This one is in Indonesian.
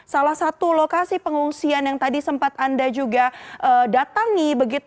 salah satu lokasi pengungsian yang tadi sempat anda juga datangi